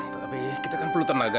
tapi kita kan perlu tenaga